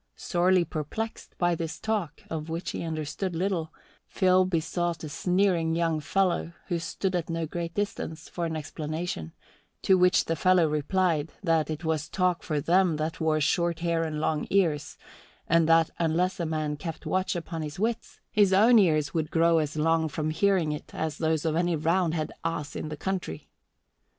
Sorely perplexed by this talk, of which he understood little, Phil besought a sneering young fellow, who stood at no great distance, for an explanation; to which the fellow replied that it was talk for them that wore short hair and long ears, and that unless a man kept watch upon his wits his own ears would grow as long from hearing it as those of any Roundhead ass in the country.